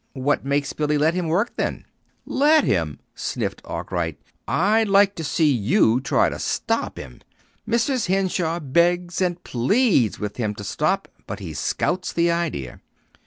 "What makes Billy let him work, then?" "Let him!" sniffed Arkwright. "I'd like to see you try to stop him! Mrs. Henshaw begs and pleads with him to stop, but he scouts the idea.